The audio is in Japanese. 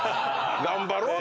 頑張ろうと。